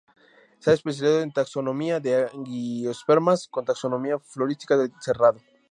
Se ha especializado en taxonomía de angiospermas, con taxonomía, florística, del Cerrado.